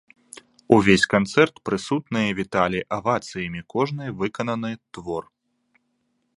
Увесь канцэрт прысутныя віталі авацыямі кожны выкананы твор.